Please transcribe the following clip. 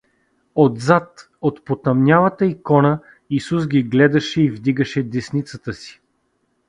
Отзад, от потъмнялата икона, Исус ги гледаше и вдигаше десницата си.